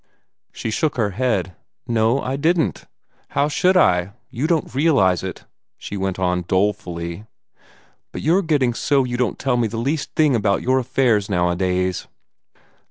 She shook her head. "No, I didn't. How should I? You don't realize it," she went on, dolefully, "but you're getting so you don't tell me the least thing about your affairs nowadays."